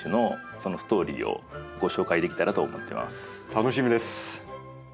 楽しみです。